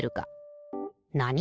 なに？